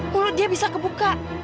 mulut dia bisa kebuka